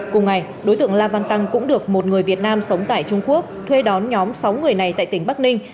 cùng ngày đối tượng la văn tăng cũng được một người việt nam sống tại trung quốc thuê đón nhóm sáu người này tại tỉnh bắc ninh